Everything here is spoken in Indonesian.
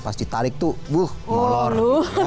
pas ditarik tuh bu ngolor